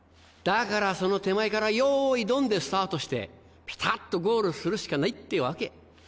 だからその手前からよいドン！でスタートしてピタっとゴールするしかないってわけ。